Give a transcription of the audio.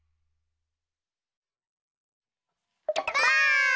ばあっ！